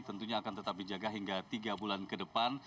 tentunya akan tetap dijaga hingga tiga bulan ke depan